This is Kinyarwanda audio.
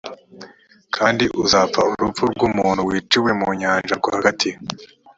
kandi uzapfa urupfu rw umuntu wiciwe mu nyanja rwagati